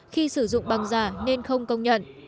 khi sử dụng băng giả nên không công nhận